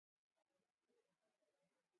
Ka tang jin na ka sar pam.